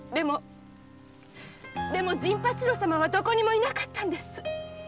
でも陣八郎様はどこにもいなかったんです。